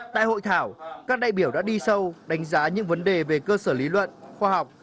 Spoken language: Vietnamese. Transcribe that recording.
tại hội thảo các đại biểu đã đi sâu đánh giá những vấn đề về cơ sở lý luận khoa học